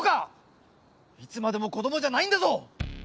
いつまでも子どもじゃないんだぞ！